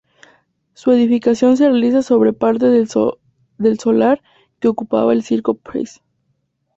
Su edificación se realiza sobre parte del solar que ocupaba el Circo Price.